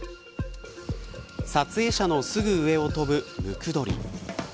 撮影者のすぐ上を飛ぶムクドリ。